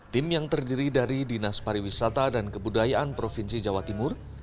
tim yang terdiri dari dinas pariwisata dan kebudayaan provinsi jawa timur